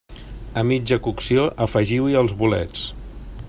A mitja cocció afegiu-hi els bolets.